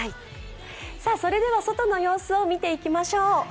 それでは外の様子を見ていきましょう。